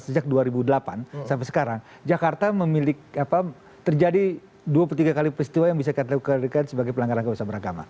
sejak dua ribu delapan sampai sekarang jakarta memiliki terjadi dua puluh tiga kali peristiwa yang bisa kita lakukan sebagai pelanggaran kebebasan beragama